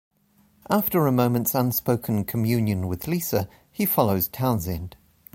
After a moment's unspoken communion with Lisa, he follows Townsend.